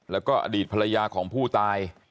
แล้วก็อดีตภรรยาของผู้ตาย